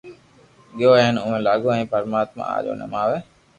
گيو ھين اووا لاگو اي پرماتما اج ٿي ماري